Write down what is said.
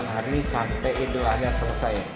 delapan hari sampai idul adha selesai